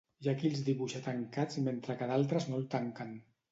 Hi ha qui els dibuixa tancats mentre que d'altres no el tanquen.